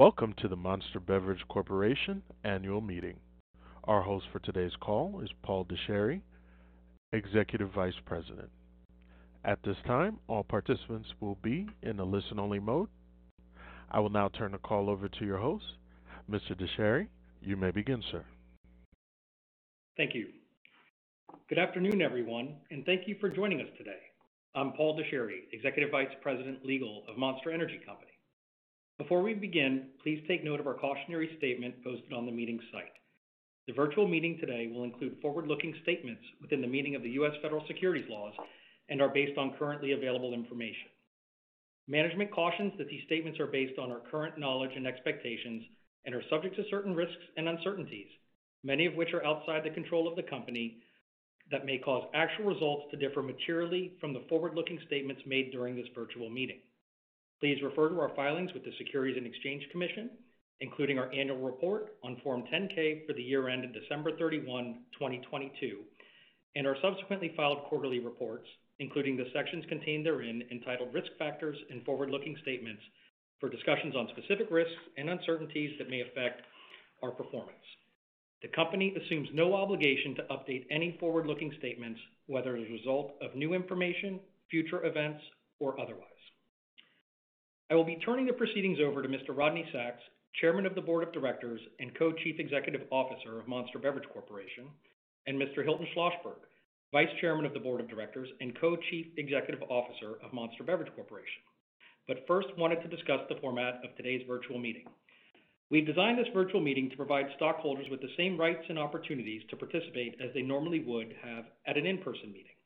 Welcome to the Monster Beverage Corporation Annual Meeting. Our host for today's call is Paul Dechary, Executive Vice President. At this time, all participants will be in a listen-only mode. I will now turn the call over to your host. Mr. Dechary, you may begin, sir. Thank you. Good afternoon, everyone, thank you for joining us today. I'm Paul Dechary, Executive Vice President, Legal of Monster Energy Company. Before we begin, please take note of our cautionary statement posted on the meeting site. The virtual meeting today will include forward-looking statements within the meaning of the U.S. Federal securities laws and are based on currently available information. Management cautions that these statements are based on our current knowledge and expectations and are subject to certain risks and uncertainties, many of which are outside the control of the company, that may cause actual results to differ materially from the forward-looking statements made during this virtual meeting. Please refer to our filings with the Securities and Exchange Commission, including our annual report on Form 10-K for the year ended December 31, 2022, and our subsequently filed quarterly reports, including the sections contained therein, entitled Risk Factors and Forward-Looking Statements, for discussions on specific risks and uncertainties that may affect our performance. The company assumes no obligation to update any forward-looking statements, whether as a result of new information, future events, or otherwise. I will be turning the proceedings over to Mr. Rodney Sacks, Chairman of the Board of Directors and Co-chief Executive Officer of Monster Beverage Corporation, and Mr. Hilton Schlosberg, Vice Chairman of the Board of Directors and Co-chief Executive Officer of Monster Beverage Corporation. First, wanted to discuss the format of today's virtual meeting. We've designed this virtual meeting to provide stockholders with the same rights and opportunities to participate as they normally would have at an in-person meeting.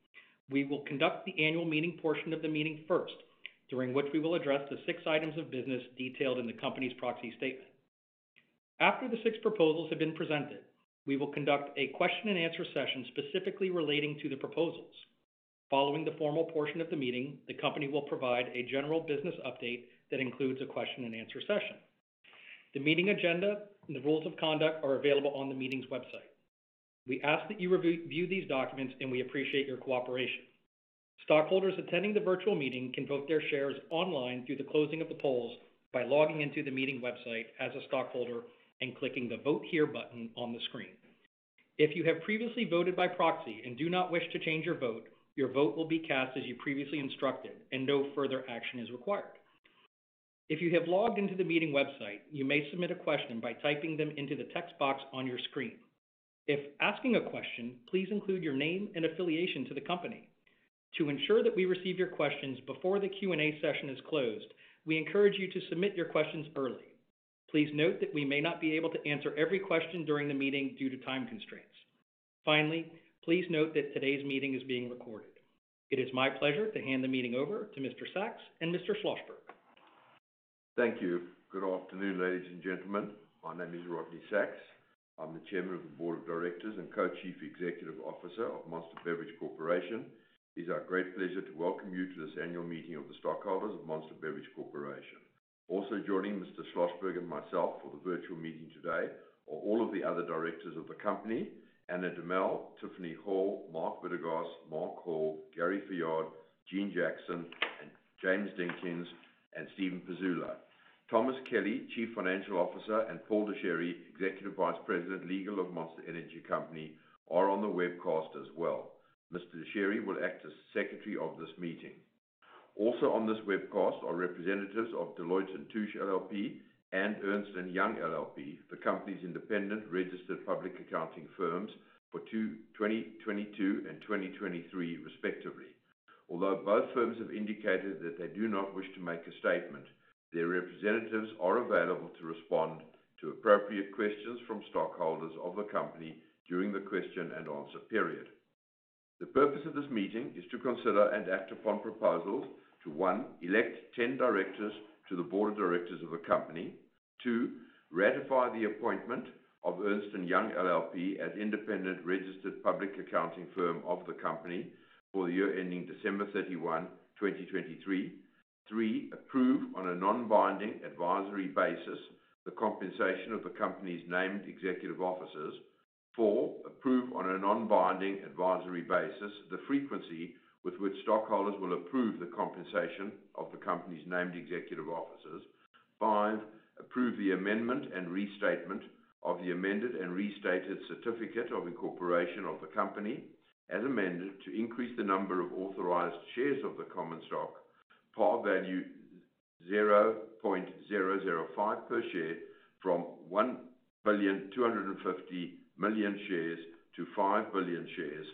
We will conduct the annual meeting portion of the meeting first, during which we will address the six items of business detailed in the company's proxy statement. After the six proposals have been presented, we will conduct a question and answer session specifically relating to the proposals. Following the formal portion of the meeting, the company will provide a general business update that includes a question and answer session. The meeting agenda and the rules of conduct are available on the meeting's website. We ask that you review, view these documents, and we appreciate your cooperation. Stockholders attending the virtual meeting can vote their shares online through the closing of the polls by logging into the meeting website as a stockholder and clicking the Vote Here button on the screen. If you have previously voted by proxy and do not wish to change your vote, your vote will be cast as you previously instructed and no further action is required. If you have logged into the meeting website, you may submit a question by typing them into the text box on your screen. If asking a question, please include your name and affiliation to the company. To ensure that we receive your questions before the Q&A session is closed, we encourage you to submit your questions early. Please note that we may not be able to answer every question during the meeting due to time constraints. Finally, please note that today's meeting is being recorded. It is my pleasure to hand the meeting over to Mr. Sacks and Mr. Schlosberg. Thank you. Good afternoon, ladies and gentlemen. My name is Rodney Sacks. I'm the Chairman of the Board of Directors and Co-Chief Executive Officer of Monster Beverage Corporation. It's our great pleasure to welcome you to this annual meeting of the stockholders of Monster Beverage Corporation. Also joining Mr. Schlossberg and myself for the virtual meeting today are all of the other directors of the company: Ana Demel, Tiffany Hall, Mark S. Vidergauz, Mark Hall, Gary P. Fayard, Jeanne P. Jackson, James Dinkins, and Steven G. Pizula. Thomas J. Kelly, Chief Financial Officer, and Paul Dechary, Executive Vice President, Legal of Monster Energy Company, are on the webcast as well. Mr. Dechary will act as Secretary of this meeting. Also on this webcast are representatives of Deloitte & Touche LLP and Ernst & Young LLP, the company's independent registered public accounting firms for 2022 and 2023, respectively. Although both firms have indicated that they do not wish to make a statement, their representatives are available to respond to appropriate questions from stockholders of the company during the question and answer period. The purpose of this meeting is to consider and act upon proposals to, 1, elect 10 directors to the Board of Directors of the company. 2, ratify the appointment of Ernst & Young LLP as independent registered public accounting firm of the company for the year ending December 31, 2023. 3, approve on a non-binding advisory basis, the compensation of the company's named executive officers. 4, approve on a non-binding advisory basis, the frequency with which stockholders will approve the compensation of the company's named executive officers. 5, approve the amendment and restatement of the amended and restated certificate of incorporation of the company, as amended, to increase the number of authorized shares of the common stock, par value $0.005 per share, from 1,250,000,000 shares to 5,000,000,000 shares.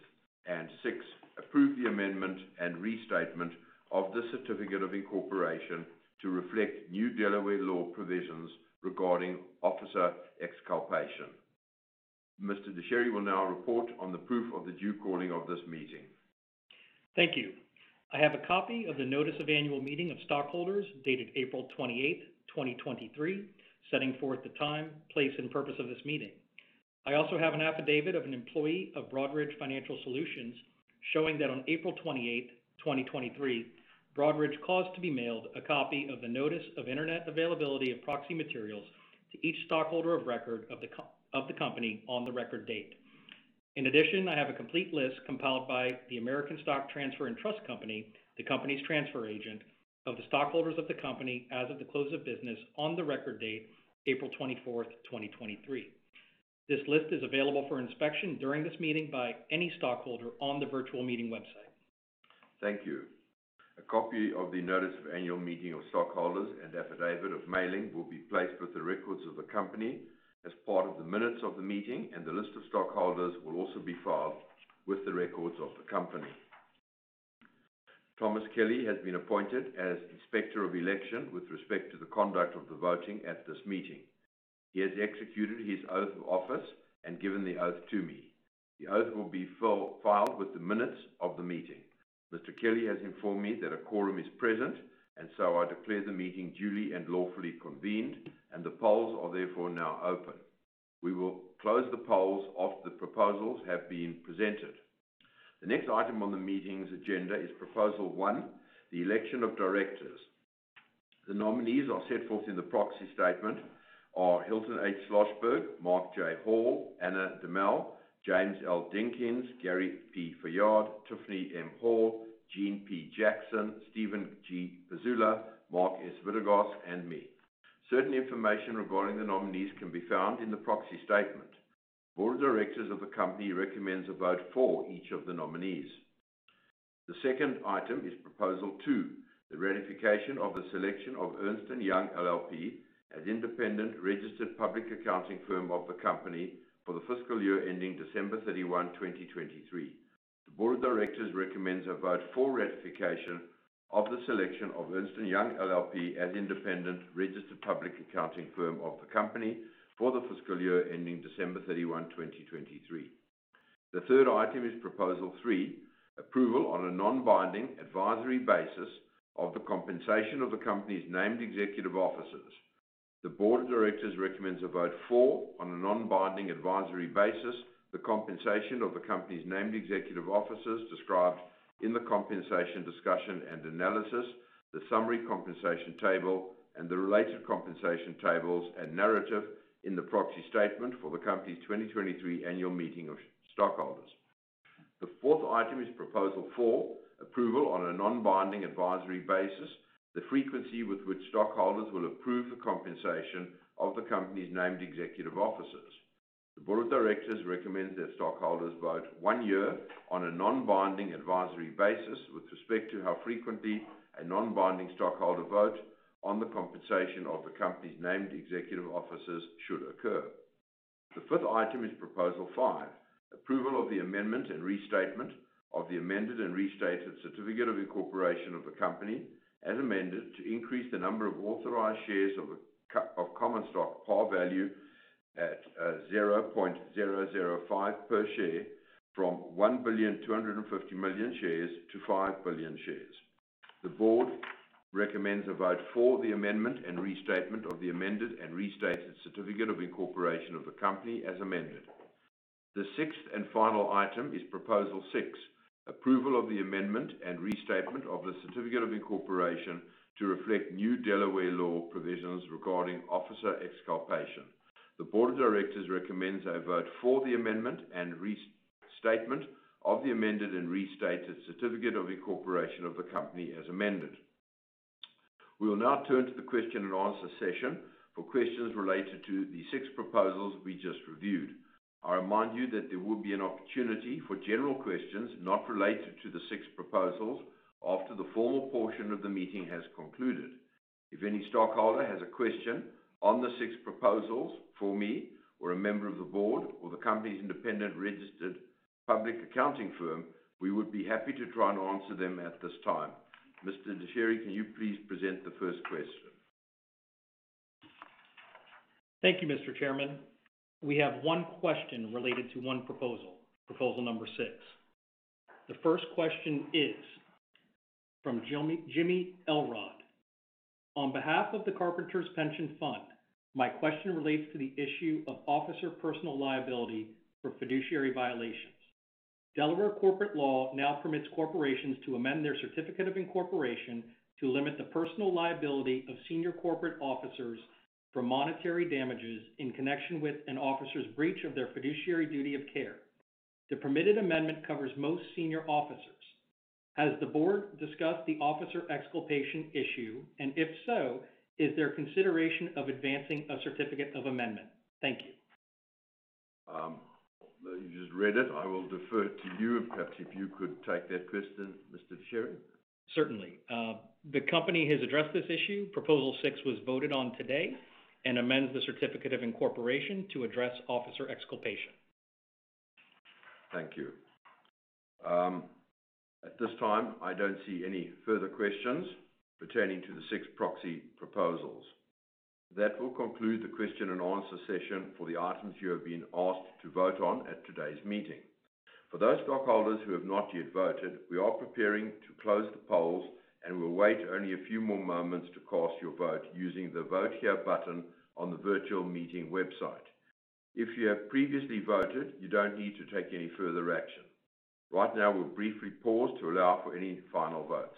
6, approve the amendment and restatement of the Certificate of Incorporation to reflect new Delaware law provisions regarding officer exculpation. Mr. Dechary will now report on the proof of the due calling of this meeting. Thank you. I have a copy of the Notice of Annual Meeting of Stockholders dated April 28, 2023, setting forth the time, place, and purpose of this meeting. I also have an affidavit of an employee of Broadridge Financial Solutions showing that on April 28, 2023, Broadridge caused to be mailed a copy of the Notice of Internet Availability of Proxy Materials to each stockholder of record of the company on the record date. In addition, I have a complete list compiled by the American Stock Transfer & Trust Company, the company's transfer agent, of the stockholders of the company as of the close of business on the record date, April 24, 2023. This list is available for inspection during this meeting by any stockholder on the virtual meeting website. Thank you. A copy of the notice of annual meeting of stockholders and Affidavit of Mailing will be placed with the records of the company as part of the minutes of the meeting. The list of stockholders will also be filed with the records of the company. Thomas Kelly has been appointed as Inspector of Election with respect to the conduct of the voting at this meeting. He has executed his oath of office and given the oath to me. The oath will be filed with the minutes of the meeting. Mr. Kelly has informed me that a quorum is present. I declare the meeting duly and lawfully convened. The polls are therefore now open. We will close the polls after the proposals have been presented. The next item on the meeting's agenda is Proposal 1: The Election of Directors. The nominees are set forth in the proxy statement, are Hilton H. Schlosberg, Mark J. Hall, Ana Demel, James L. Dinkins, Gary P. Fayard, Tiffany M. Hall, Jeanne P. Jackson, Steven G. Pizula, Mark S. Vidergauz, and me. Certain information regarding the nominees can be found in the proxy statement. The board of directors of the company recommends a vote for each of the nominees. The second item is Proposal 2: the ratification of the selection of Ernst & Young LLP as independent registered public accounting firm of the company for the fiscal year ending December 31, 2023. The board of directors recommends a vote for ratification of the selection of Ernst & Young LLP as independent registered public accounting firm of the company for the fiscal year ending December 31, 2023. The third item is Proposal 3: approval on a non-binding advisory basis of the compensation of the company's named executive officers. The board of directors recommends a vote for, on a non-binding advisory basis, the compensation of the company's named executive officers described in the compensation discussion and analysis, the summary compensation table, and the related compensation tables and narrative in the proxy statement for the company's 2023 annual meeting of stockholders. The fourth item is Proposal 4: approval on a non-binding advisory basis, the frequency with which stockholders will approve the compensation of the company's named executive officers. The board of directors recommends that stockholders vote 1 year on a non-binding advisory basis with respect to how frequently a non-binding stockholder vote on the compensation of the company's named executive officers should occur. The fifth item is Proposal 5: approval of the amendment and restatement of the amended and restated certificate of incorporation of the company, as amended to increase the number of authorized shares of common stock, par value at $0.005 per share from 1,250,000,000 shares to 5,000,000,000 shares. The board recommends a vote for the amendment and restatement of the amended and restated certificate of incorporation of the company as amended. The sixth and final item is Proposal 6: approval of the amendment and restatement of the certificate of incorporation to reflect new Delaware law provisions regarding officer exculpation. The board of directors recommends a vote for the amendment and restatement of the amended and restated certificate of incorporation of the company as amended. We will now turn to the question and answer session for questions related to the six proposals we just reviewed. I remind you that there will be an opportunity for general questions not related to the six proposals after the formal portion of the meeting has concluded. If any stockholder has a question on the six proposals for me, or a member of the Board, or the company's independent registered public accounting firm, we would be happy to try and answer them at this time. Mr. Dechary, can you please present the first question? Thank you, Mr. Chairman. We have one question related to one proposal number six. The first question is from Jimmy Elrod. On behalf of the Carpenters Pension Fund, my question relates to the issue of officer personal liability for fiduciary violations. Delaware corporate law now permits corporations to amend their certificate of incorporation to limit the personal liability of senior corporate officers for monetary damages in connection with an officer's breach of their fiduciary duty of care. The permitted amendment covers most senior officers. Has the board discussed the officer exculpation issue, and if so, is there consideration of advancing a certificate of amendment? Thank you. You just read it. I will defer to you. Perhaps if you could take that question, Mr. Dechary. Certainly. The company has addressed this issue. Proposal 6 was voted on today and amends the Certificate of Incorporation to address officer exculpation. Thank you. At this time, I don't see any further questions pertaining to the six proxy proposals. That will conclude the question and answer session for the items you have been asked to vote on at today's meeting. For those stockholders who have not yet voted, we are preparing to close the polls, we'll wait only a few more moments to cast your vote using the Vote Here button on the virtual meeting website. If you have previously voted, you don't need to take any further action. Right now, we'll briefly pause to allow for any final votes.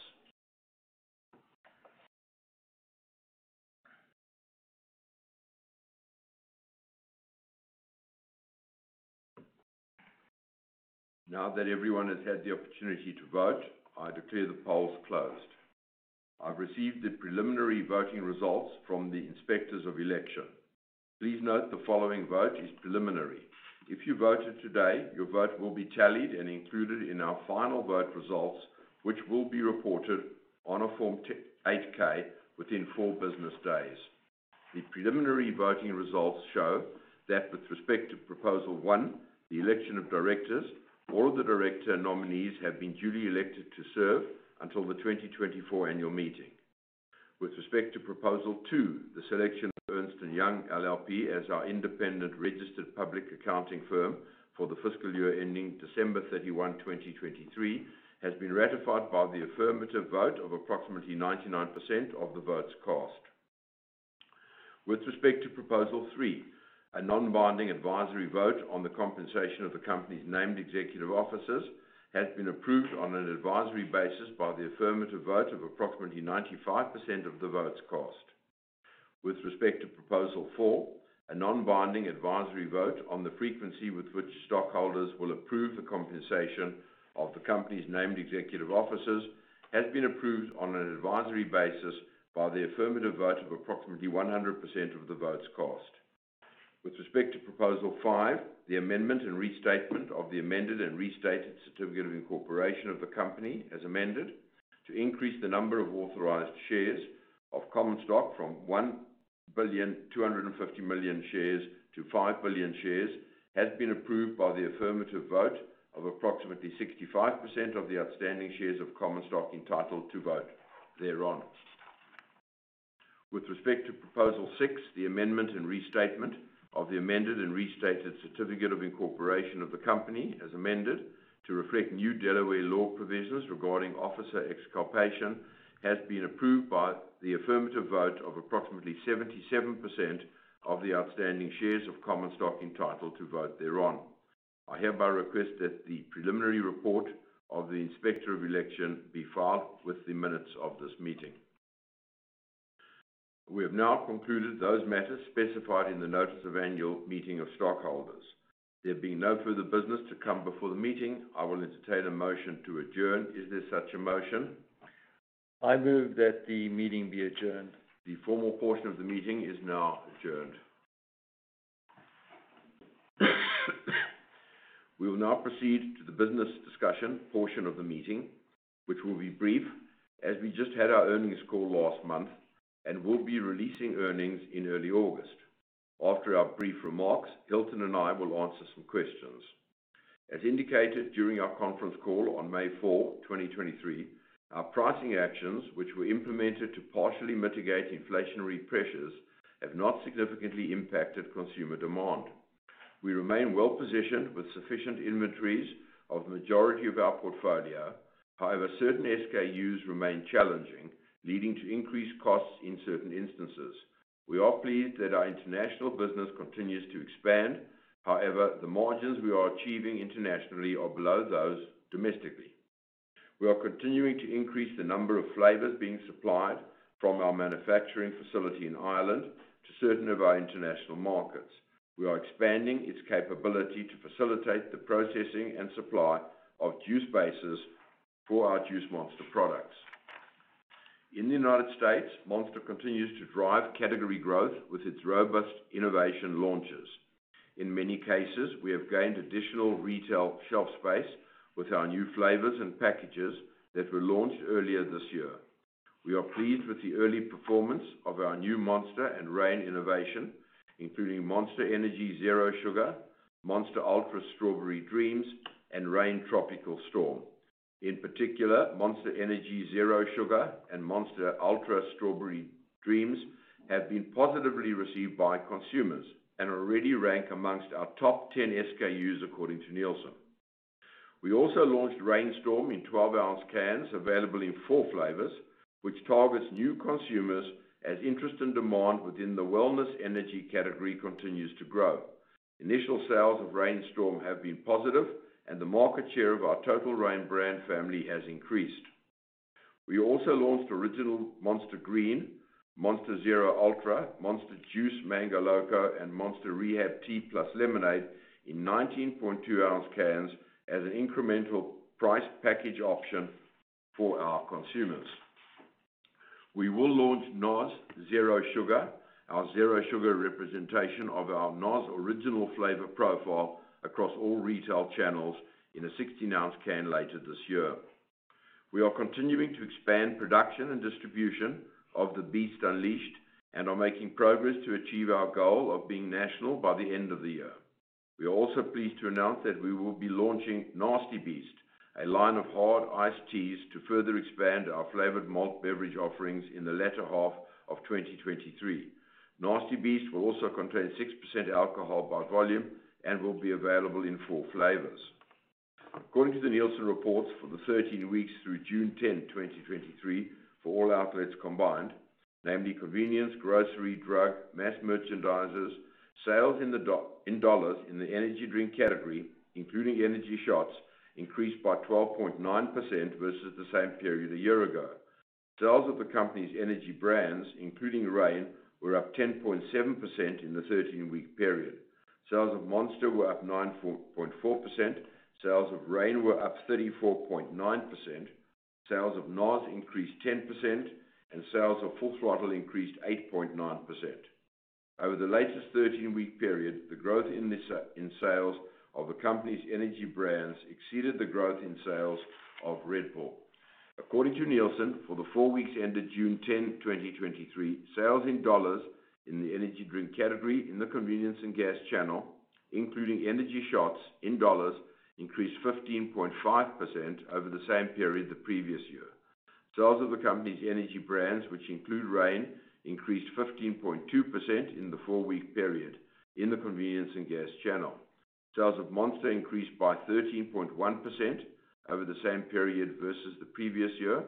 Now that everyone has had the opportunity to vote, I declare the polls closed. I've received the preliminary voting results from the Inspectors of Election. Please note the following vote is preliminary. If you voted today, your vote will be tallied and included in our final vote results, which will be reported on a Form 8-K within 4 business days. The preliminary voting results show that with respect to Proposal 1, the election of directors, all of the director nominees have been duly elected to serve until the 2024 Annual Meeting. With respect to Proposal 2, the selection of Ernst & Young LLP as our independent registered public accounting firm for the fiscal year ending December 31, 2023, has been ratified by the affirmative vote of approximately 99% of the votes cast. With respect to Proposal 3, a non-binding advisory vote on the compensation of the company's named executive officers, has been approved on an advisory basis by the affirmative vote of approximately 95% of the votes cast. With respect to Proposal 4, a non-binding advisory vote on the frequency with which stockholders will approve the compensation of the company's named executive officers, has been approved on an advisory basis by the affirmative vote of approximately 100% of the votes cast. With respect to Proposal 5, the amendment and restatement of the amended and restated Certificate of Incorporation of the company, as amended, to increase the number of authorized shares of common stock from 1,250,000,000 shares to 5,000,000,000 shares, has been approved by the affirmative vote of approximately 65% of the outstanding shares of common stock entitled to vote thereon. With respect to Proposal 6, the amendment and restatement of the amended and restated Certificate of Incorporation of the company, as amended, to reflect new Delaware law provisions regarding officer exculpation, has been approved by the affirmative vote of approximately 77% of the outstanding shares of common stock entitled to vote thereon. I hereby request that the preliminary report of the Inspector of Election be filed with the minutes of this meeting. We have now concluded those matters specified in the notice of Annual Meeting of Stockholders. There being no further business to come before the meeting, I will entertain a motion to adjourn. Is there such a motion? I move that the meeting be adjourned. The formal portion of the meeting is now adjourned. We will now proceed to the business discussion portion of the meeting, which will be brief, as we just had our earnings call last month, and we'll be releasing earnings in early August. After our brief remarks, Hilton and I will answer some questions. As indicated during our conference call on May 4, 2023, our pricing actions, which were implemented to partially mitigate inflationary pressures, have not significantly impacted consumer demand. We remain well-positioned with sufficient inventories of the majority of our portfolio. However, certain SKUs remain challenging, leading to increased costs in certain instances. We are pleased that our international business continues to expand. However, the margins we are achieving internationally are below those domestically. We are continuing to increase the number of flavors being supplied from our manufacturing facility in Ireland to certain of our international markets. We are expanding its capability to facilitate the processing and supply of juice bases for our Juice Monster products. In the United States, Monster continues to drive category growth with its robust innovation launches. In many cases, we have gained additional retail shelf space with our new flavors and packages that were launched earlier this year. We are pleased with the early performance of our new Monster and Reign innovation, including Monster Energy Zero Sugar, Monster Ultra Strawberry Dreams, and Reign Tropical Storm. In particular, Monster Energy Zero Sugar and Monster Ultra Strawberry Dreams have been positively received by consumers and already rank amongst our top 10 SKUs, according to Nielsen. We also launched Reign Storm in 12-ounce cans, available in four flavors, which targets new consumers as interest and demand within the wellness energy category continues to grow. Initial sales of Reign Storm have been positive, and the market share of our total Reign brand family has increased. We also launched Monster Energy Green, Monster Zero Ultra, Juice Monster Mango Loco, and Monster Rehab Tea + Lemonade in 19.2-ounce cans as an incremental price package option for our consumers. We will launch NOS Zero Sugar, our zero sugar representation of our NOS original flavor profile, across all retail channels in a 16-ounce can later this year. We are continuing to expand production and distribution of The Beast Unleashed, and are making progress to achieve our goal of being national by the end of the year. We are also pleased to announce that we will be launching Nasty Beast, a line of hard iced teas, to further expand our flavored malt beverage offerings in the latter half of 2023. Nasty Beast will also contain 6% alcohol by volume and will be available in four flavors. According to the Nielsen reports, for the 13 weeks through June 10, 2023, for all outlets combined, namely convenience, grocery, drug, mass merchandisers, sales in dollars in the energy drink category, including energy shots, increased by 12.9% versus the same period a year ago. Sales of the company's energy brands, including Reign, were up 10.7% in the 13-week period. Sales of Monster were up 9.4%, sales of Reign were up 34.9%, sales of NOS increased 10%, and sales of Full Throttle increased 8.9%. Over the latest 13-week period, the growth in sales of the company's energy brands exceeded the growth in sales of Red Bull. According to Nielsen, for the 4 weeks ended June 10, 2023, sales in dollars in the energy drink category in the convenience and gas channel, including energy shots in dollars, increased 15.5% over the same period the previous year. Sales of the company's energy brands, which include Reign, increased 15.2% in the 4-week period in the convenience and gas channel. Sales of Monster increased by 13.1% over the same period versus the previous year.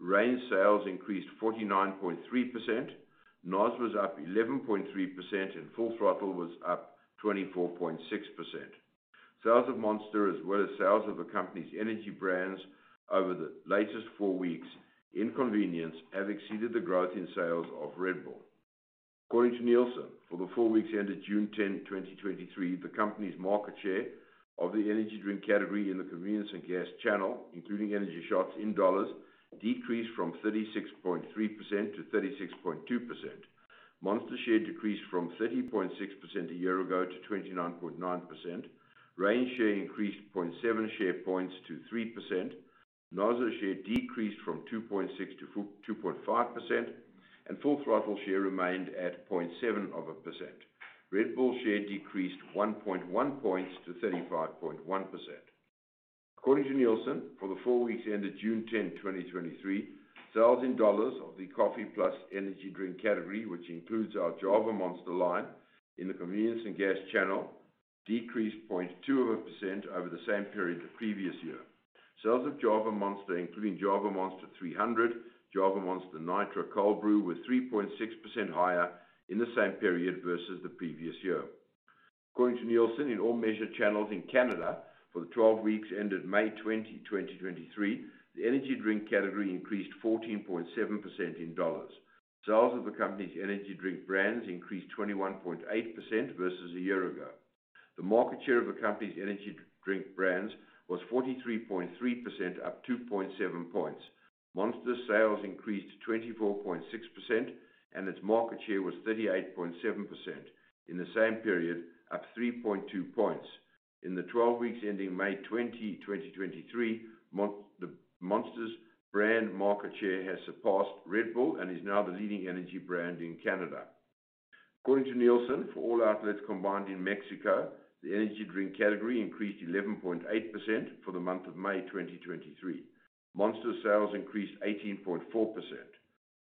Reign sales increased 49.3%, NOS was up 11.3%, and Full Throttle was up 24.6%. Sales of Monster, as well as sales of the company's energy brands over the latest 4 weeks in convenience, have exceeded the growth in sales of Red Bull. According to Nielsen, for the four weeks ended June 10, 2023, the company's market share of the energy drink category in the convenience and gas channel, including energy shots in $, decreased from 36.3%-36.2%. Monster share decreased from 30.6% a year ago to 29.9%. Reign share increased 0.7 share points to 3%. NOS share decreased from 2.6%-2.5%. Full Throttle share remained at 0.7%. Red Bull share decreased 1.1 points to 35.1%. According to Nielsen, for the 4 weeks ended June 10, 2023, sales in dollars of the coffee plus energy drink category, which includes our Java Monster line in the convenience and gas channel, decreased 0.2% over the same period the previous year. Sales of Java Monster, including Java Monster 300, Java Monster Nitro Cold Brew, were 3.6% higher in the same period versus the previous year. According to Nielsen, in all measured channels in Canada for the 12 weeks ended May 20, 2023, the energy drink category increased 14.7% in dollars. Sales of the company's energy drink brands increased 21.8% versus a year ago. The market share of the company's energy drink brands was 43.3%, up 2.7 points. Monster sales increased 24.6%, and its market share was 38.7% in the same period, up 3.2 points. In the 12 weeks ending May 20, 2023, the Monster's brand market share has surpassed Red Bull and is now the leading energy brand in Canada. According to Nielsen, for all outlets combined in Mexico, the energy drink category increased 11.8% for the month of May 2023. Monster sales increased 18.4%.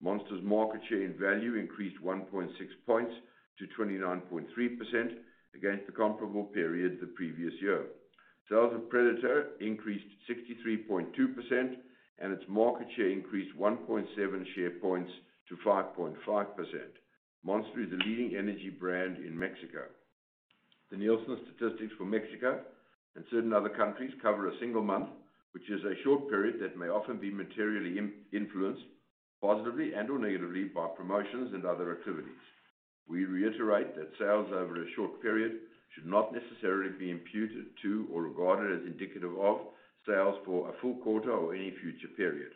Monster's market share in value increased 1.6 points to 29.3% against the comparable period the previous year. Sales of Predator increased 63.2%, and its market share increased 1.7 share points to 5.5%. Monster is the leading energy brand in Mexico. The Nielsen statistics for Mexico and certain other countries cover a single month, which is a short period that may often be materially influenced, positively and/or negatively, by promotions and other activities. We reiterate that sales over a short period should not necessarily be imputed to or regarded as indicative of sales for a full quarter or any future period.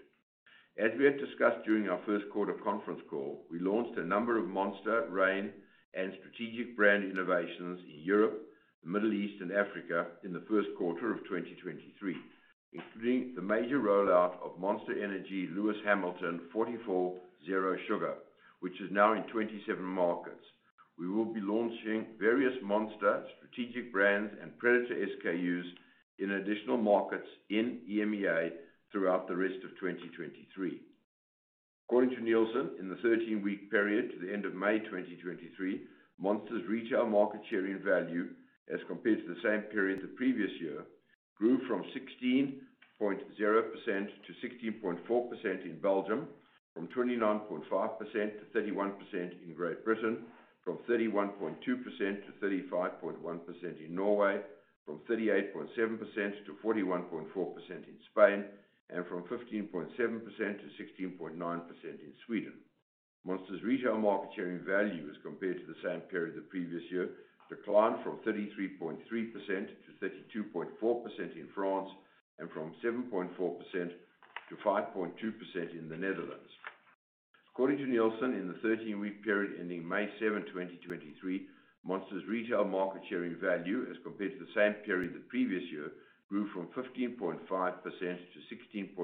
As we have discussed during our first quarter conference call, we launched a number of Monster, Reign, and strategic brand innovations in Europe, Middle East, and Africa in the first quarter of 2023, including the major rollout of Monster Energy Lewis Hamilton 44 Zero Sugar, which is now in 27 markets. We will be launching various Monster strategic brands and Predator SKUs in additional markets in EMEA throughout the rest of 2023. According to Nielsen, in the 13-week period to the end of May 2023, Monster's retail market share in value, as compared to the same period the previous year, grew 16.0%-16.4% in Belgium, from 29.5%to 31% in Great Britain, from 31.2%-35.1% in Norway, from 38.7%-41.4% in Spain, and from 15.7%-16.9% in Sweden. Monster's retail market share in value, as compared to the same period the previous year, declined from 33.3%-32.4% in France, and from 7.4%-5.2% in the Netherlands. According to Nielsen, in the 13-week period ending May 7, 2023, Monster's retail market share in value, as compared to the same period the previous year, grew from 15.5%-16.7%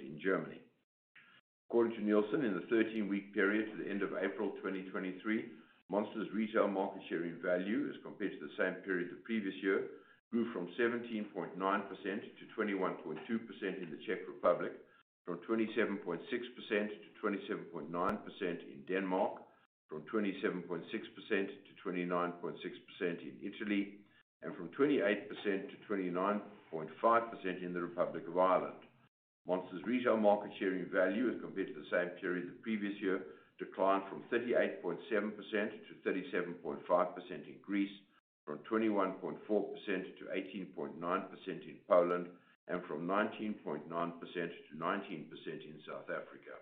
in Germany. According to Nielsen, in the 13-week period to the end of April 2023, Monster's retail market share in value, as compared to the same period the previous year, grew from 17.9%-21.2% in the Czech Republic, from 27.6%-27.9% in Denmark, from 27.6%-29.6% in Italy, and from 28%-29.5% in the Republic of Ireland. Monster's retail market share in value, as compared to the same period the previous year, declined from 38.%-37.5% in Greece. from 21.4%-18.9% in Poland, and from 19.9%-19% in South Africa.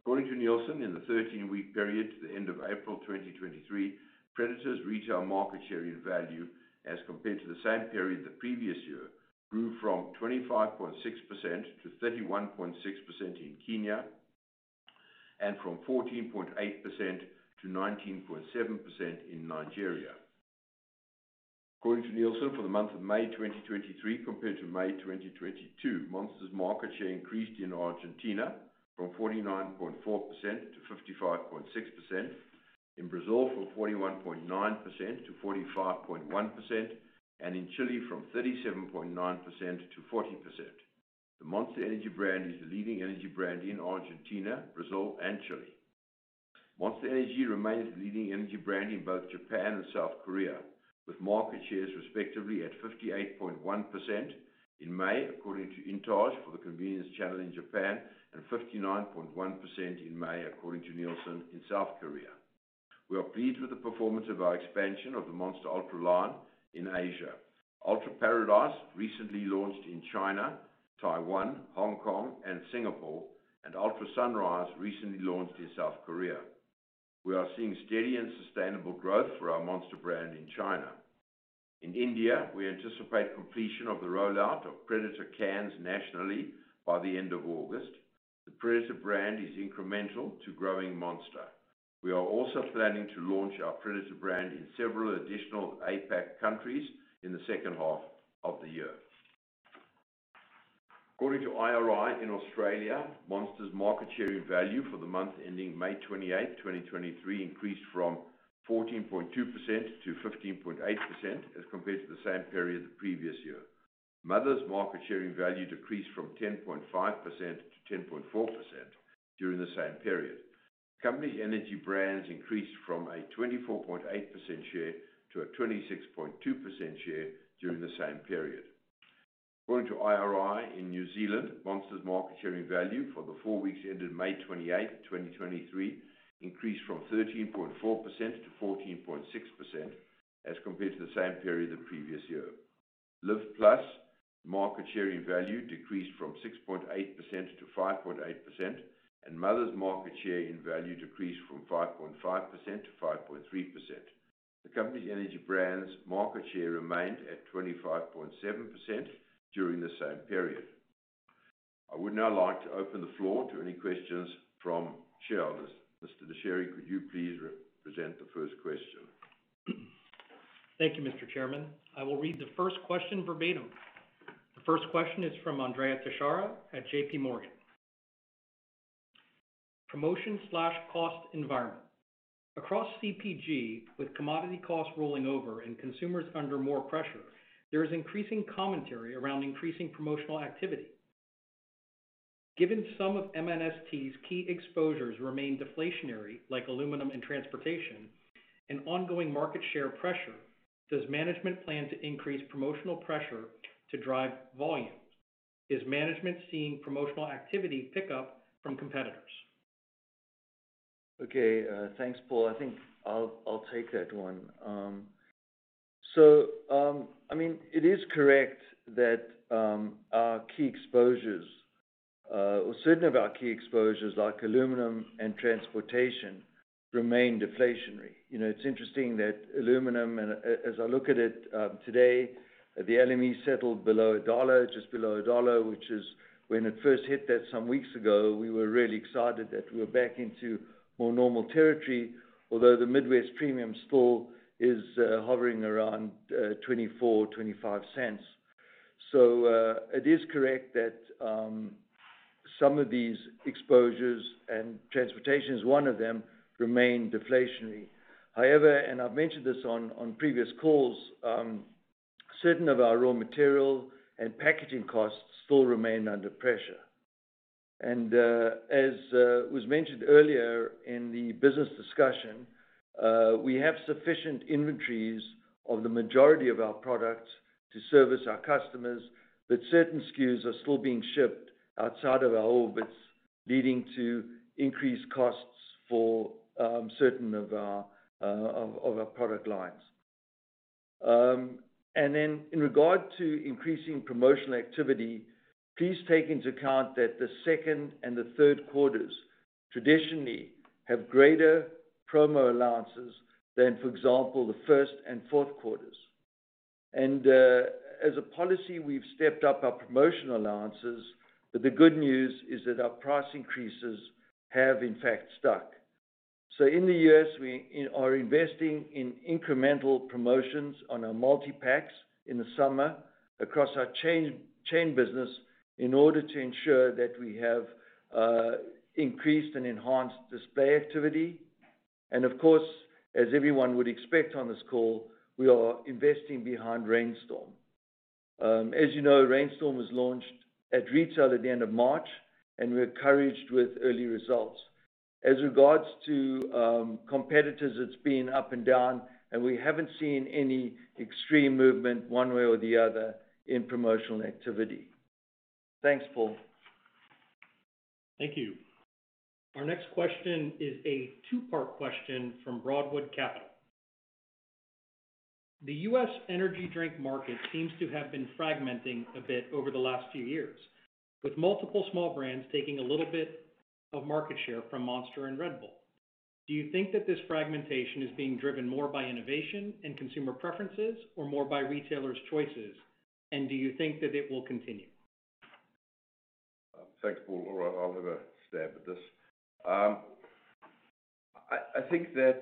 According to Nielsen, in the 13-week period to the end of April 2023, Predator's retail market share in value, as compared to the same period the previous year, grew from 25.6%-31.6% in Kenya, and from 14.8%-19.7% in Nigeria. According to Nielsen, for the month of May 2023 compared to May 2022, Monster's market share increased in Argentina from 49.4%-55.6%, in Brazil from 41.9%-45.1%, and in Chile from 37.9%-40%. The Monster Energy brand is the leading energy brand in Argentina, Brazil, and Chile. Monster Energy remains the leading energy brand in both Japan and South Korea, with market shares respectively at 58.1% in May, according to INTAGE for the convenience channel in Japan, and 59.1% in May, according to Nielsen in South Korea. We are pleased with the performance of our expansion of the Monster Ultra line in Asia. Ultra Paradise recently launched in China, Taiwan, Hong Kong, and Singapore, and Ultra Sunrise recently launched in South Korea. We are seeing steady and sustainable growth for our Monster brand in China. In India, we anticipate completion of the rollout of Predator cans nationally by the end of August. The Predator brand is incremental to growing Monster. We are also planning to launch our Predator brand in several additional APAC countries in the second half of the year. According to IRI in Australia, Monster's market share in value for the month ending May 28, 2023, increased from 14.2% -15.8% as compared to the same period the previous year. Mother's market share in value decreased from 10.5%-10.4% during the same period. Company energy brands increased from a 24.8% share to a 26.2% share during the same period. According to IRI in New Zealand, Monster's market share in value for the four weeks ended May 28, 2023, increased from 13.4%-14.6% as compared to the same period the previous year. Liv+ market share in value decreased from 6.8%-5.8%, and Mother's market share in value decreased from 5.5%-5.3%. The company's energy brands market share remained at 25.7% during the same period. I would now like to open the floor to any questions from shareholders. Mr. Dechary, could you please present the first question? Thank you, Mr. Chairman. I will read the first question verbatim. The first question is from Andrea Teixeira at J.P. Morgan. Promotion/cost environment. Across CPG, with commodity costs rolling over and consumers under more pressure, there is increasing commentary around increasing promotional activity. Given some of MNST's key exposures remain deflationary, like aluminum and transportation, and ongoing market share pressure, does management plan to increase promotional pressure to drive volumes? Is management seeing promotional activity pick up from competitors? Okay, thanks, Paul. I think I'll take that one. I mean, it is correct that our key exposures, or certain of our key exposures, like aluminum and transportation, remain deflationary. You know, it's interesting that aluminum and, as I look at it, today, the LME settled below $1, just below $1, which is when it first hit that some weeks ago, we were really excited that we were back into more normal territory, although the Midwest Premium still is hovering around $0.24, $0.25. It is correct that some of these exposures, and transportation is one of them, remain deflationary. However, I've mentioned this on previous calls, certain of our raw material and packaging costs still remain under pressure. As was mentioned earlier in the business discussion, we have sufficient inventories of the majority of our products to service our customers, but certain SKUs are still being shipped outside of our hub, it's leading to increased costs for certain of our product lines. In regard to increasing promotional activity, please take into account that the 2nd and the 3rd quarters traditionally have greater promo allowances than, for example, the 1st and 4th quarters. As a policy, we've stepped up our promotional allowances, but the good news is that our price increases have in fact stuck. In the U.S., we are investing in incremental promotions on our multi-packs in the summer across our chain business in order to ensure that we have increased and enhanced display activity. Of course, as everyone would expect on this call, we are investing behind Reign Storm. As you know, Reign Storm was launched at retail at the end of March, and we're encouraged with early results. As regards to competitors, it's been up and down, and we haven't seen any extreme movement one way or the other in promotional activity. Thanks, Paul. Thank you. Our next question is a two-part question from Broadwood Capital. The U.S. energy drink market seems to have been fragmenting a bit over the last few years, with multiple small brands taking a little bit of market share from Monster and Red Bull. Do you think that this fragmentation is being driven more by innovation and consumer preferences, or more by retailers' choices? Do you think that it will continue? Thanks, Paul. I'll have a stab at this. I think that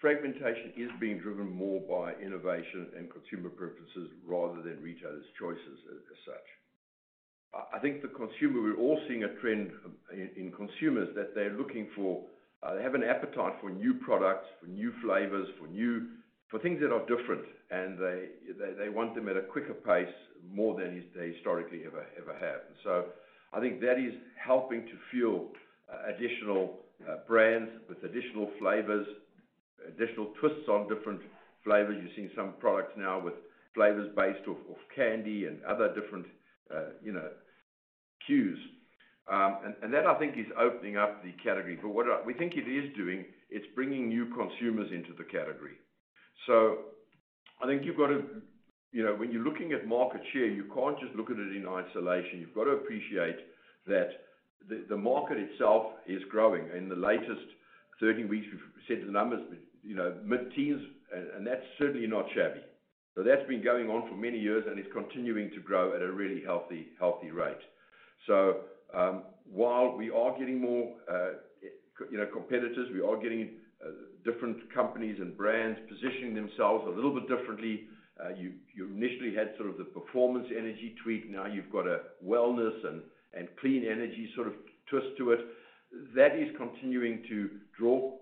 fragmentation is being driven more by innovation and consumer preferences rather than retailers' choices as such. I think the consumer, we're all seeing a trend in consumers, that they're looking for. They have an appetite for new products, for new flavors, for things that are different, and they want them at a quicker pace more than they historically ever have. I think that is helping to fuel additional brands with additional flavors, additional twists on different flavors. You're seeing some products now with flavors based off of candy and other different, you know, cues. And that, I think, is opening up the category. What we think it is doing, it's bringing new consumers into the category. I think you've got to, you know, when you're looking at market share, you can't just look at it in isolation. You've got to appreciate that the market itself is growing. In the latest 13 weeks, we've said the numbers, you know, mid-teens, and that's certainly not shabby. That's been going on for many years, and it's continuing to grow at a really healthy rate. While we are getting more, you know, competitors, we are getting different companies and brands positioning themselves a little bit differently. You initially had sort of the performance energy tweak. Now you've got a wellness and clean energy sort of twist to it. That is continuing to draw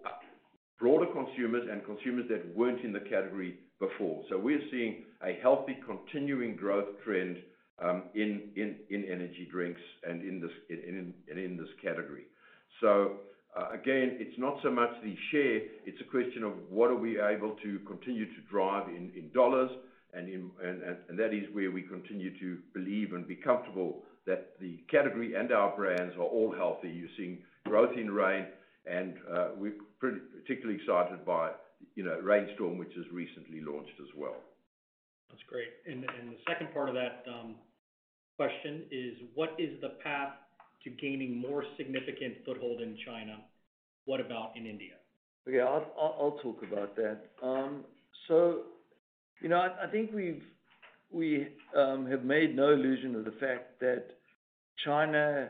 broader consumers and consumers that weren't in the category before. We're seeing a healthy, continuing growth trend in energy drinks and in this category. Again, it's not so much the share, it's a question of what are we able to continue to drive in dollars. That is where we continue to believe and be comfortable that the category and our brands are all healthy. You're seeing growth in Reign and we're pretty particularly excited by, you know, Reign Storm, which has recently launched as well. That's great. The second part of that question is: What is the path to gaining more significant foothold in China? What about in India? I'll talk about that. You know, I think we have made no illusion of the fact that China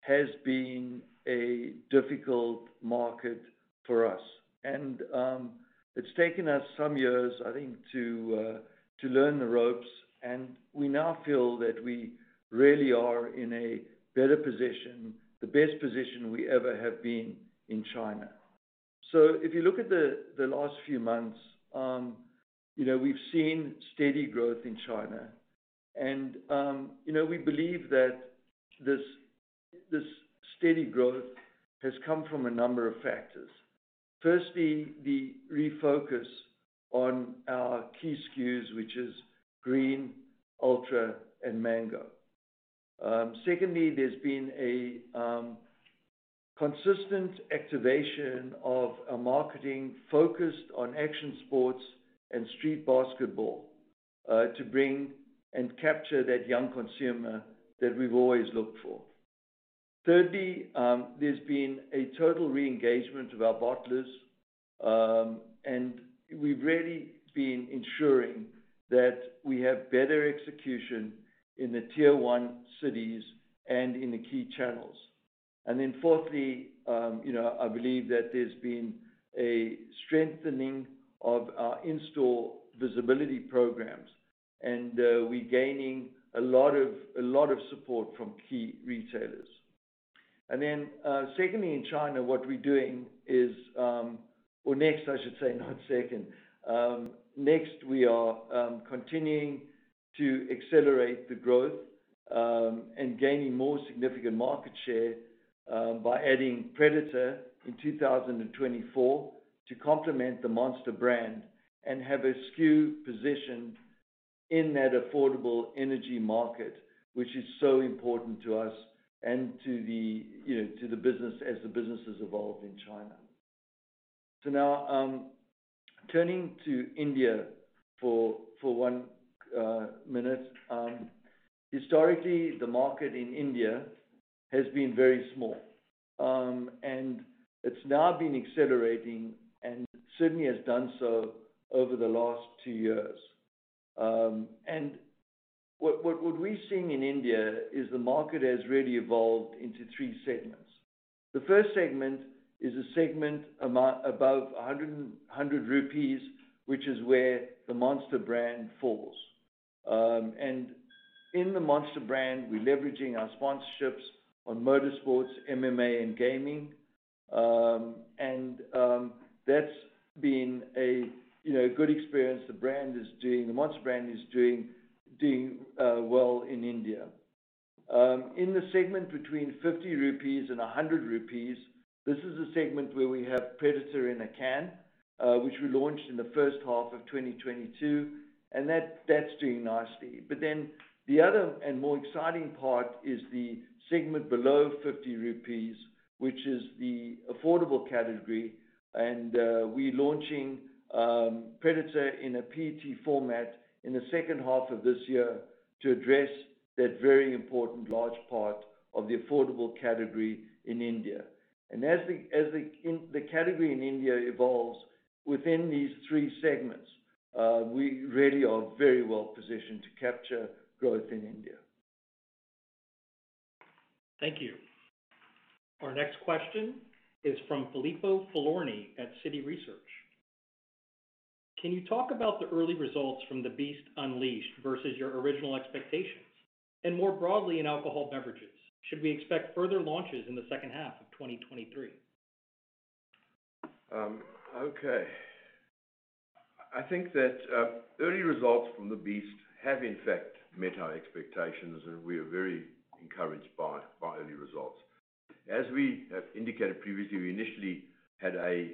has been a difficult market for us. It's taken us some years, I think, to learn the ropes, and we now feel that we really are in a better position, the best position we ever have been in China. If you look at the last few months, you know, we've seen steady growth in China. You know, we believe that this steady growth has come from a number of factors. Firstly, the refocus on our key SKUs, which is Green, Ultra, and Mango. Secondly, there's been a consistent activation of our marketing focused on action, sports, and street basketball to bring and capture that young consumer that we've always looked for. Thirdly, there's been a total re-engagement of our bottlers, and we've really been ensuring that we have better execution in the tier one cities and in the key channels. Fourthly, you know, I believe that there's been a strengthening of our in-store visibility programs, and we're gaining a lot of support from key retailers. Secondly, in China, what we're doing is. Or next, I should say, not second. Next, we are continuing to accelerate the growth, and gaining more significant market share, by adding Predator in 2024 to complement the Monster brand and have a SKU position in that affordable energy market, which is so important to us and to the, you know, to the business as the business has evolved in China. Now, turning to India for 1 minute. Historically, the market in India has been very small. And it's now been accelerating and certainly has done so over the last 2 years. And what we're seeing in India is the market has really evolved into 3 segments. The first segment is a segment above 100 rupees, which is where the Monster brand falls. And in the Monster brand, we're leveraging our sponsorships on motorsports, MMA, and gaming. And that's been a, you know, good experience. The Monster brand is doing well in India. In the segment between 50 rupees and 100 rupees, this is a segment where we have Predator in a can, which we launched in the first half of 2022, and that's doing nicely. The other and more exciting part is the segment below 50 rupees, which is the affordable category. We're launching Predator in a PET format in the second half of this year to address that very important large part of the affordable category in India. As the category in India evolves within these 3 segments, we really are very well positioned to capture growth in India. Thank you. Our next question is from Filippo Falorni at Citi Research. Can you talk about the early results from The Beast Unleashed versus your original expectations? More broadly, in alcohol beverages, should we expect further launches in the second half of 2023? Okay. I think that early results from The Beast Unleashed have, in fact, met our expectations, and we are very encouraged by early results. As we have indicated previously, we initially had a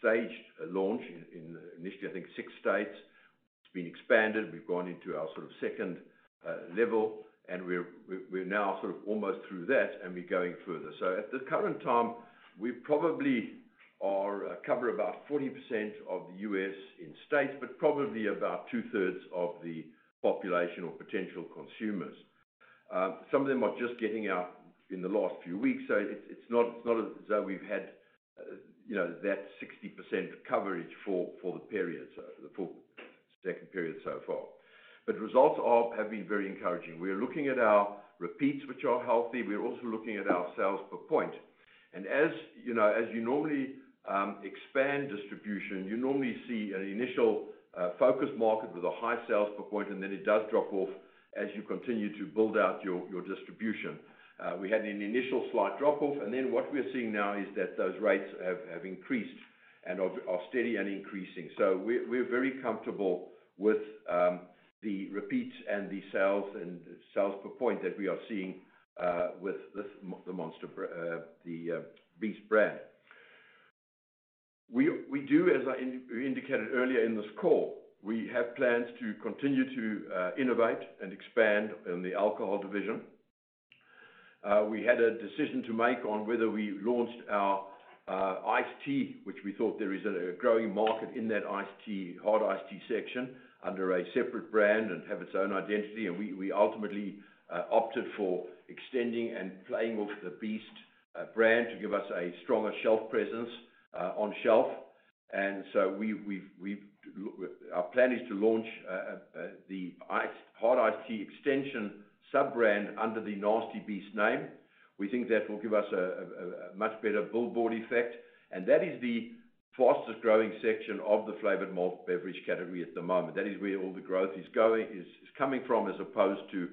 staged launch in initially, I think, 6 states. It's been expanded. We've gone into our sort of second level, and we're now sort of almost through that and we're going further. At the current time, we probably are cover about 40% of the U.S. in states, but probably about 2/3 of the population or potential consumers. Some of them are just getting out in the last few weeks, so it's not, it's not as though we've had, you know, that 60% coverage for the period, so for the full second period so far. Results have been very encouraging. We are looking at our repeats, which are healthy. We are also looking at our sales per point, as you know, as you normally expand distribution, you normally see an initial focus market with a high sales per point, and then it does drop off as you continue to build out your distribution. We had an initial slight drop-off, and then what we're seeing now is that those rates have increased and are steady and increasing. We're very comfortable with the repeats and the sales and sales per point that we are seeing with the Beast brand. We do as I indicated earlier in this call, we have plans to continue to innovate and expand in the alcohol division. We had a decision to make on whether we launched our iced tea, which we thought there is a growing market in that iced tea, hard iced tea section, under a separate brand and have its own identity. We ultimately opted for extending and playing off the Beast brand to give us a stronger shelf presence on shelf. Our plan is to launch the hard iced tea extension sub-brand under the Nasty Beast name. We think that will give us a much better billboard effect, and that is the fastest growing section of the flavored malt beverage category at the moment. That is where all the growth is going, is coming from, as opposed to,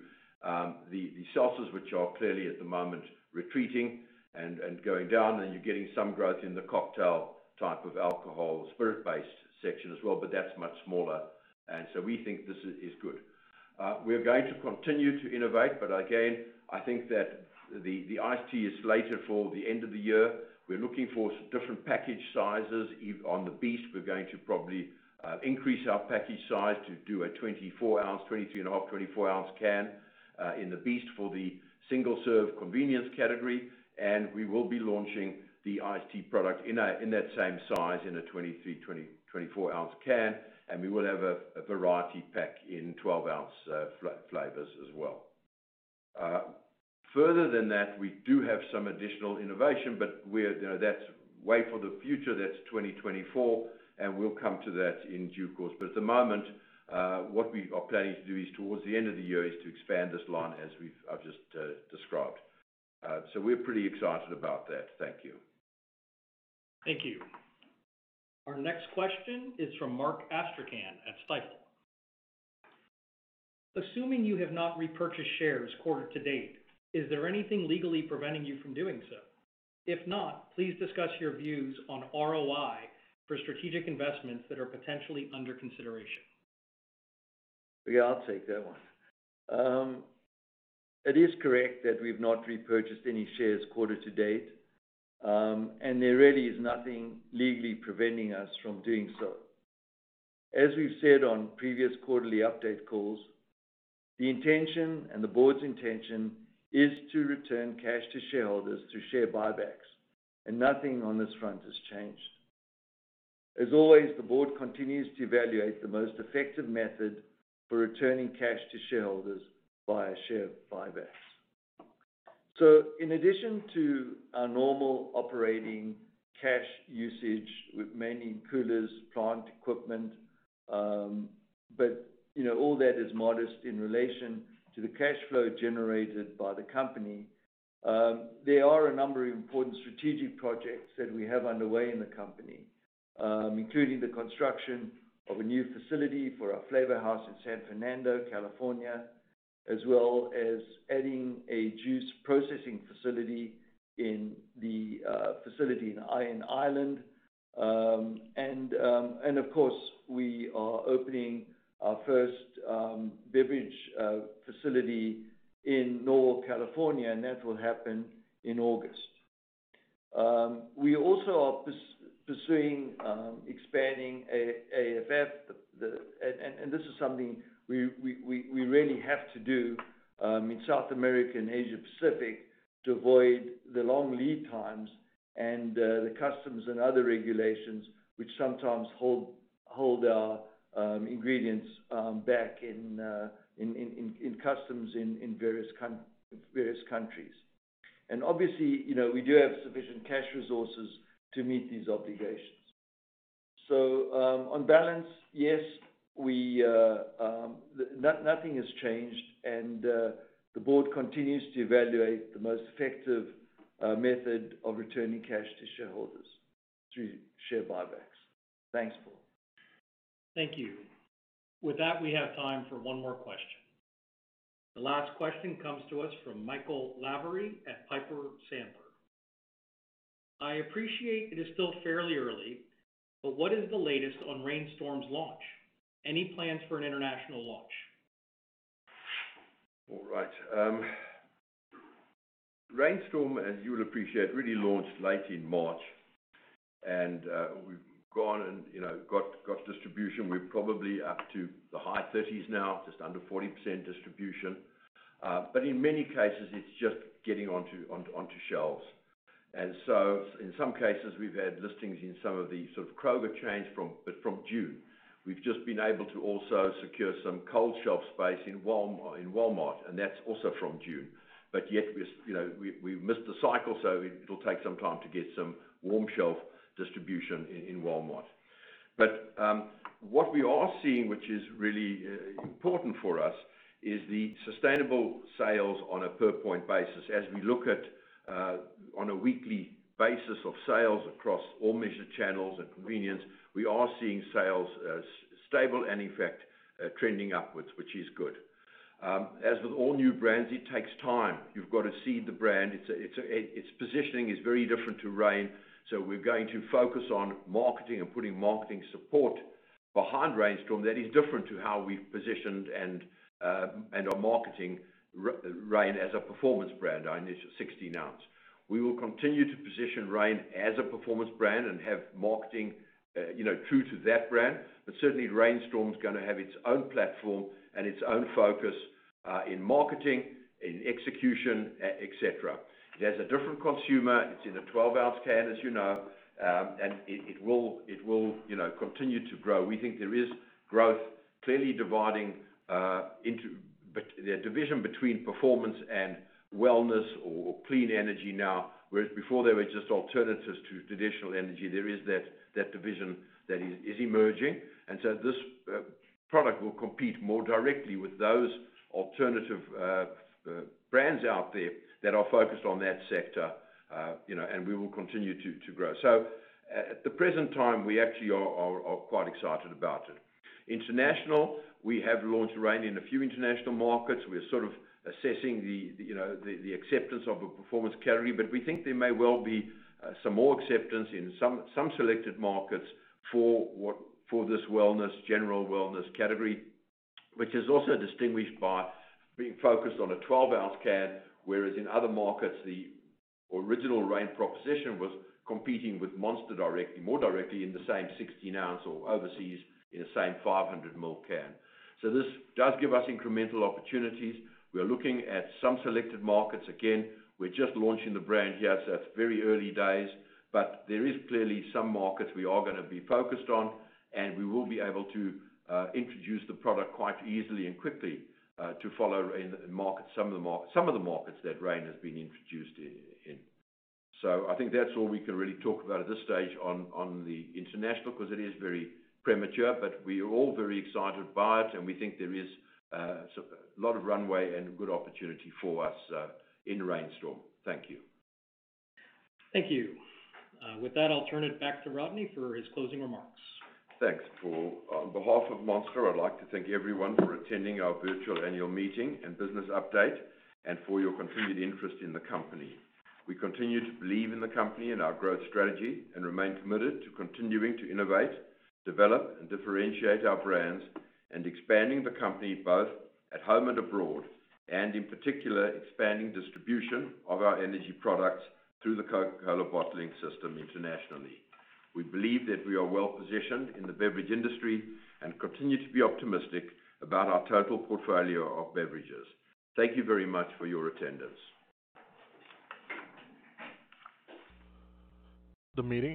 the seltzers which are clearly at the moment, retreating and going down, and you're getting some growth in the cocktail type of alcohol, spirit-based section as well, but that's much smaller. We think this is good. We're going to continue to innovate. Again, I think that the iced tea is slated for the end of the year. We're looking for different package sizes. On the Beast, we're going to probably increase our package size to do a 23.5, 24 ounce can in the Beast for the single-serve convenience category. We will be launching the iced tea product in that same size, in a 23, 24 ounce can, and we will have a variety pack in 12-ounce flavors as well. Further than that, we do have some additional innovation, but we're, you know, that's way for the future. That's 2024, and we'll come to that in due course. At the moment, what we are planning to do is towards the end of the year, is to expand this line, as I've just described. We're pretty excited about that. Thank you. Thank you. Our next question is from Mark Astrachan at Stifel. Assuming you have not repurchased shares quarter to date, is there anything legally preventing you from doing so? If not, please discuss your views on ROI for strategic investments that are potentially under consideration. Yeah, I'll take that one. It is correct that we've not repurchased any shares quarter to date. There really is nothing legally preventing us from doing so. As we've said on previous quarterly update calls, the intention and the board's intention is to return cash to shareholders through share buybacks. Nothing on this front has changed. As always, the board continues to evaluate the most effective method for returning cash to shareholders via share buybacks. In addition to our normal operating cash usage with mainly coolers, plant equipment. You know, all that is modest in relation to the cash flow generated by the company. There are a number of important strategic projects that we have underway in the company, including the construction of a new facility for our flavor house in San Fernando, California, as well as adding a juice processing facility in the facility in Ireland. Of course, we are opening our first beverage facility in Northern California, and that will happen in August. We also are pursuing expanding a VAF, and this is something we really have to do in South America and Asia Pacific to avoid the long lead times and the customs and other regulations which sometimes hold our ingredients back in customs in various countries. Obviously, you know, we do have sufficient cash resources to meet these obligations. On balance, yes, we. Nothing has changed. The board continues to evaluate the most effective method of returning cash to shareholders through share buybacks. Thanks, Paul. Thank you. With that, we have time for one more question. The last question comes to us from Michael Lavery at Piper Sandler. I appreciate it is still fairly early, what is the latest on Reign Storm's launch? Any plans for an international launch? All right. Reign Storm, as you will appreciate, really launched late in March, we've gone and, you know, got distribution. We're probably up to the high thirties now, just under 40% distribution. In many cases it's just getting onto shelves. In some cases, we've had listings in some of the sort of Kroger chains but from June. We've just been able to also secure some cold shelf space in Walmart, that's also from June. We, you know, we've missed the cycle, so it'll take some time to get some warm shelf distribution in Walmart. What we are seeing, which is really important for us, is the sustainable sales on a per point basis. As we look at on a weekly basis of sales across all measured channels and convenience, we are seeing sales as stable and in fact, trending upwards, which is good. As with all new brands, it takes time. You've got to seed the brand. Its positioning is very different to Reign, so we're going to focus on marketing and putting marketing support behind Reign Storm that is different to how we've positioned and are marketing Reign as a performance brand, our initial 16 ounce. We will continue to position Reign as a performance brand and have marketing, you know, true to that brand. Certainly, Reign Storm is gonna have its own platform and its own focus in marketing, in execution, et cetera. It has a different consumer. It's in a 12-ounce can, as you know, and it will, you know, continue to grow. We think there is growth clearly dividing, into... The division between performance and wellness or clean energy now, whereas before they were just alternatives to traditional energy. There is that division that is emerging. This product will compete more directly with those alternative brands out there that are focused on that sector, you know, and we will continue to grow. At the present time, we actually are quite excited about it. International, we have launched Reign in a few international markets. We're sort of assessing the, you know, the acceptance of a performance category, but we think there may well be, some more acceptance in some selected markets for what... For this wellness, general wellness category, which is also distinguished by being focused on a 12-ounce can, whereas in other markets, the original Reign proposition was competing with Monster directly, more directly in the same 16-ounce or overseas in the same 500 ml can. This does give us incremental opportunities. We are looking at some selected markets. Again, we're just launching the brand here, so it's very early days, but there is clearly some markets we are gonna be focused on, and we will be able to introduce the product quite easily and quickly to follow in the market, some of the markets that Reign has been introduced in. I think that's all we can really talk about at this stage on the international, because it is very premature, but we are all very excited by it, and we think there is, so a lot of runway and good opportunity for us, in Reign Storm. Thank you. Thank you. With that, I'll turn it back to Rodney for his closing remarks. Thanks, Paul. On behalf of Monster, I'd like to thank everyone for attending our virtual annual meeting and business update, and for your continued interest in the company. We continue to believe in the company and our growth strategy and remain committed to continuing to innovate, develop, and differentiate our brands, and expanding the company both at home and abroad, and in particular, expanding distribution of our energy products through the Coca-Cola bottling system internationally. We believe that we are well-positioned in the beverage industry and continue to be optimistic about our total portfolio of beverages. Thank you very much for your attendance. The meeting is.